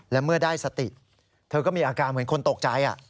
และเมื่อได้สติเธอก็มีอาการเหมือนคนตกใจ